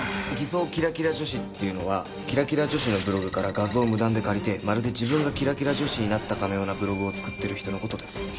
偽装キラキラ女子っていうのはキラキラ女子のブログから画像を無断で借りてまるで自分がキラキラ女子になったかのようなブログを作ってる人の事です。